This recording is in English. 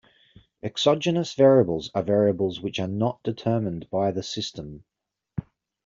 Exogenous variables are variables which are not determined by the system.